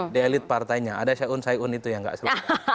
di elit partainya ada syaun syaiun itu yang nggak selesai